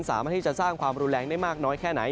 สามารถที่จะสร้างความรุนแรงได้มากน้อยแค่ไหน